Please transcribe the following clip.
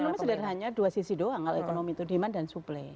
ekonomi sedang hanya dua sisi doang kalau ekonomi itu demand dan supply